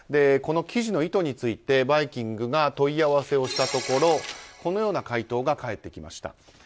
この記事の意図について「バイキング」が問い合わせをしたところこのような回答が返ってきました。